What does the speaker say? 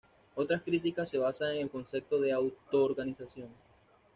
Otras críticas se basan en el concepto de autoorganización.